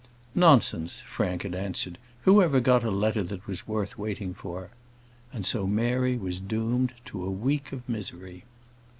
"Nonsense," Frank had answered. "Who ever got a letter that was worth waiting for?" and so Mary was doomed to a week of misery.